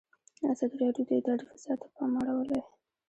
ازادي راډیو د اداري فساد ته پام اړولی.